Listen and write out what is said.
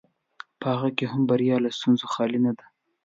په هغه کې هم بریا له ستونزو خالي نه ده.